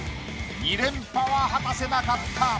２連覇は果たせなかった。